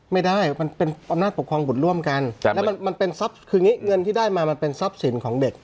ไม่ได้มันเป็นอำนาจปกครองบุตรร่วมกันแล้วมันมันเป็นซับคือเงี้ยเงินที่ได้มามันเป็นซับสินของเด็ก